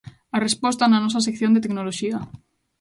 A resposta, na nosa sección de Tecnoloxía.